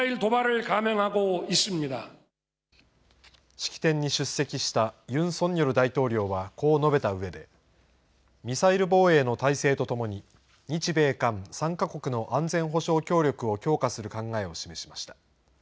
式典に出席したユン・ソンニョル大統領はこう述べたうえで、ミサイル防衛の態勢とともに、日米韓３か国の安全保障協力を強化する考えを示しました。